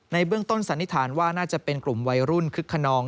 เบื้องต้นสันนิษฐานว่าน่าจะเป็นกลุ่มวัยรุ่นคึกขนอง